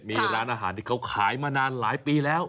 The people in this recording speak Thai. มีร้านอาหารที่เขาขายมานานหลายปีแล้ว